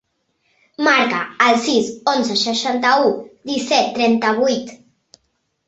Marca el sis, onze, seixanta-u, disset, trenta-vuit.